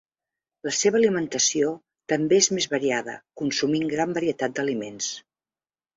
La seva alimentació també és més variada, consumint gran varietat d'aliments.